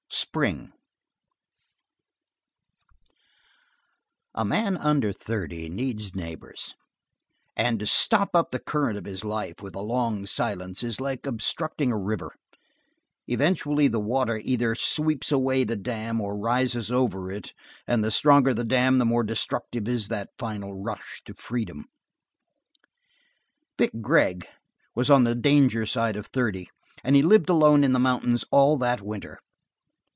Spring A man under thirty needs neighbors and to stop up the current of his life with a long silence is like obstructing a river eventually the water either sweeps away the dam or rises over it, and the stronger the dam the more destructive is that final rush to freedom. Vic Gregg was on the danger side of thirty and he lived alone in the mountains all that winter.